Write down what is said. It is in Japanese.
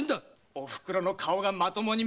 おふくろの顔がまともに見れねえ